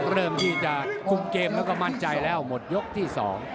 เริ่มที่จะคุมเกมแล้วก็มั่นใจแล้วหมดยกที่๒